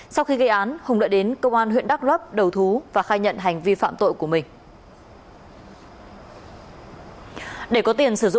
sau khi gây án hùng đã đến công an huyện đắk lấp đầu thú và khai nhận hành vi phạm tội của mình